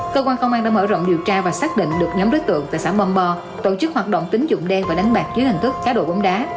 cơ quan công an đã mở rộng điều tra và xác định được nhóm đối tượng tại xã mong bò tổ chức hoạt động tính dụng đen và đánh bạc dưới hình thức cá độ bóng đá